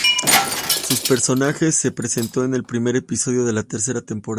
Su personaje se presentó en el primer episodio de la tercera temporada.